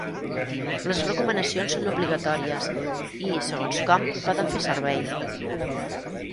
Les recomanacions són obligatòries i, segons com, poden fer servei.